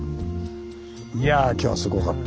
いやぁ今日はすごかった。